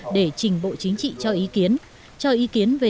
để trình bộ chính trị cho ý kiến